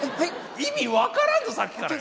意味分からんぞさっきからよ。